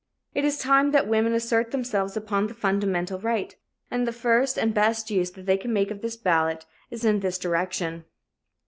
It is time that women assert themselves upon this fundamental right, and the first and best use they can make of the ballot is in this direction.